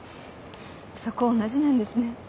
そこ同じなんですね。